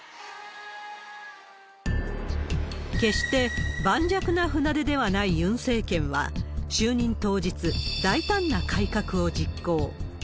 決して盤石な船出ではないユン政権は、就任当日、大胆な改革を実行。